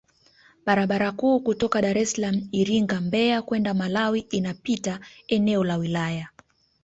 Barabara kuu kutoka Daressalaam Iringa Mbeya kwenda Malawi inapita eneo la wilaya